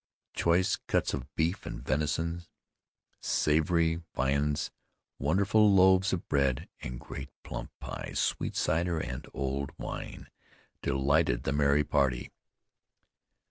Choice cuts of beef and venison, savory viands, wonderful loaves of bread and great plump pies, sweet cider and old wine, delighted the merry party.